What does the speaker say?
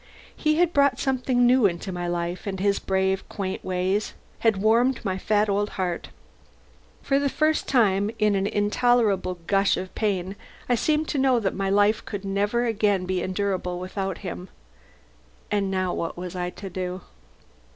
He had brought something new into my life, and his brave, quaint ways had warmed my fat old heart. For the first time, in an intolerable gush of pain, I seemed to know that my life could never again be endurable without him. And now what was I to do?